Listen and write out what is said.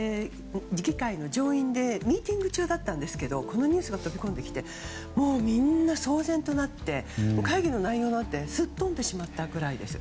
議会の上院でミーティング中だったんですけどこのニュースが飛び込んできてみんなもう、騒然となって会議の内容なんてすっ飛んでしまったくらいです。